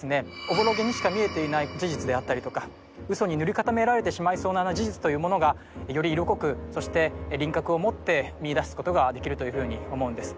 おぼろげにしか見えていない事実であったりとか嘘に塗り固められてしまいそうな事実というものがより色濃くそして輪郭をもって見いだすことができるというふうに思うんです